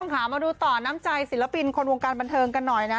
พร้อมขาวมาดูต่อน้ำใจศิลพินคนวงการบรรเทิงกันหน่อยนะ